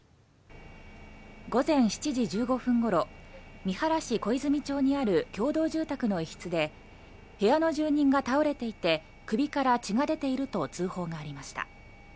午前７時１５分ごろ三原市小泉町にある共同住宅の一室で部屋の住人が倒れていて首から血が出ていると通報がありました。